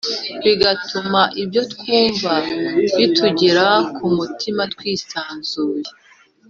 kigatuma ibyo twumva bitugera ku mutima twisanzuye